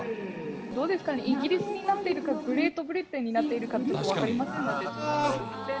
どうですかね、イギリスになっているか、グレートブリテンになっているか分かりませんので。